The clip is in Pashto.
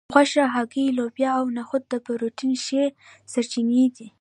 غوښه هګۍ لوبیا او نخود د پروټین ښې سرچینې دي